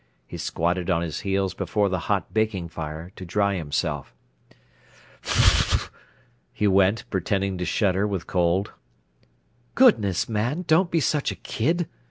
He squatted on his heels before the hot baking fire to dry himself. "F ff f!" he went, pretending to shudder with cold. "Goodness, man, don't be such a kid!"